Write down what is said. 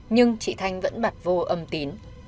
nhưng chị thanh vẫn bặt vô âm tín